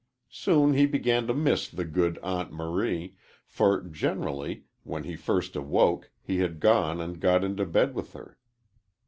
Soon he began to miss the good Aunt Marie, for, generally, when he first awoke he had gone and got into bed with her.